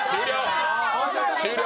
終了！